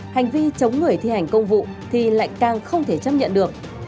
hành vi chống người thi hành công vụ thì lại càng không thể chấp nhận được